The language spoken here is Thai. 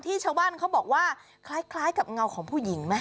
ชาวบ้านเขาบอกว่าคล้ายกับเงาของผู้หญิงไหม